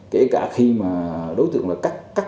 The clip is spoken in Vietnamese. kể cả khi mà đối tượng là cắt tắt